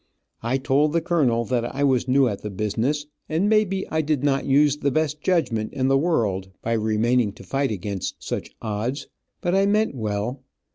I told the colonel that I was new at the business, and may be I did not use the best judgment in the world, by remaining to fight against such odds, but I meant well.